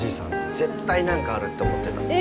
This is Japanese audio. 絶対何かあるって思ってたえ